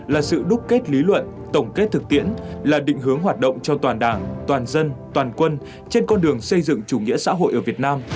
là sự đúc kết lý luận tổng kết thực tiễn là định hướng hoạt động cho toàn đảng toàn dân toàn quân trên con đường xây dựng chủ nghĩa xã hội ở việt nam